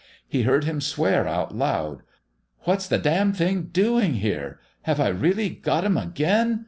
He heard him swear out aloud: "What's the d d thing doing here? Have I really got 'em again